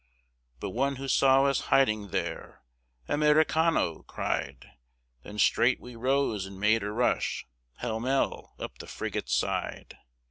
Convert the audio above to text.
But one who saw us hiding there "Americano!" cried. Then straight we rose and made a rush Pellmell up the frigate's side.